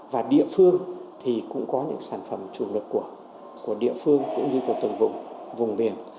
và địa phương thì cũng có những sản phẩm chủ lực của địa phương cũng như của từng vùng vùng biển